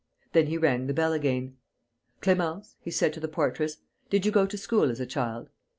Then he rang the bell again: "Clémence," he said, to the portress, "did you go to school as a child?"